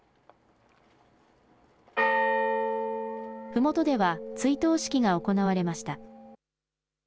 ふもとでは、追悼式が行われました。